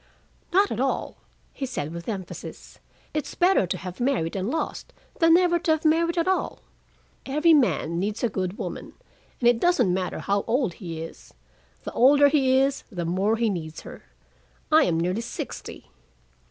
"Not at all," he said with emphasis. "It's better to have married and lost than never to have married at all. Every man needs a good woman, and it doesn't matter how old he is. The older he is, the more he needs her. I am nearly sixty."